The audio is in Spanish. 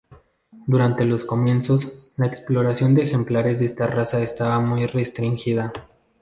Durante los comienzos, la exportación de ejemplares de esta raza estaba muy restringida.